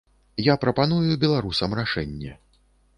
Я прапаную беларусам рашэнне.